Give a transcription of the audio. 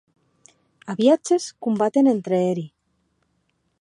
A viatges combaten entre eri.